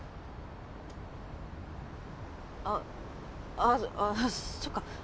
あああそっか。